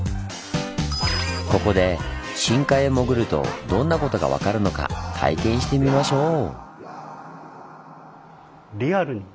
ここで深海へ潜るとどんなことが分かるのか体験してみましょう！